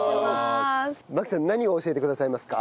麻希さん何を教えてくださいますか？